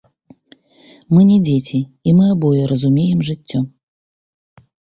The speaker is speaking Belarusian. Мы не дзеці, і мы абое разумеем жыццё.